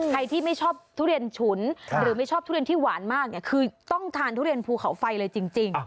ใครที่ไม่ชอบทุเรียนฉุนหรือไม่ชอบทุเรียนที่หวานมากเนี่ยคือต้องทานทุเรียนภูเขาไฟเลยจริง